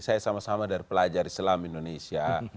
saya sama sama dari pelajar islam indonesia